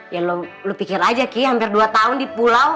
ya lo pikir aja ki hampir dua tahun di pulau